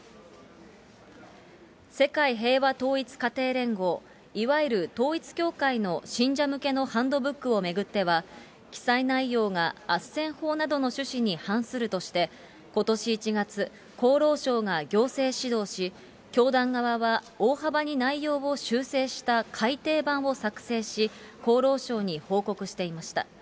世界平和統一家庭連合、いわゆる統一教会の信者向けのハンドブックを巡っては、記載内容があっせん法などの趣旨に反するとして、ことし１月、厚労省が行政指導し、教団側は大幅に内容を修正した改訂版を作成し、厚労省に報告していました。